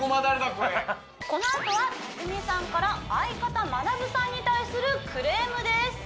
これこのあとはたくみさんから相方まなぶさんに対するクレームです